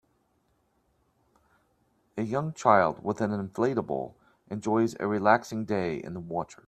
A young child with an inflatable enjoys a relaxing day in the water.